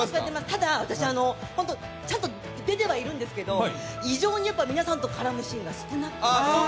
ただ、私、ちゃんと出てはいるんですけれども、異常に皆さんと絡むシーンが少なくて。